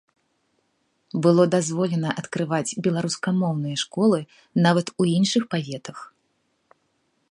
Было дазволена адкрываць беларускамоўныя школы нават у іншых паветах.